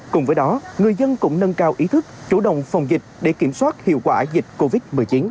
cùng với đó người dân cũng nâng cao ý thức chủ động phòng dịch để kiểm soát hiệu quả dịch covid một mươi chín